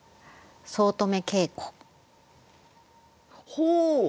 ほう。